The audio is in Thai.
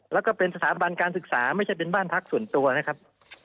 แล้วก็เป็นสถาบันการศึกษาไม่ใช่เป็นบ้านพักส่วนตัวนะครับ